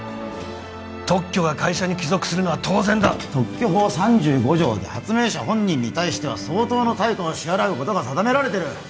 特許が会社に帰属するのは当然だ特許法３５条で発明者本人に対しては相当の対価を支払うことが定められてる